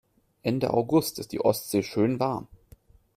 Ende August ist die Ostsee schön warm.